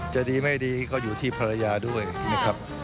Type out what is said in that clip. จะดีไม่ดีก็อยู่ที่ภรรยาด้วยนะครับ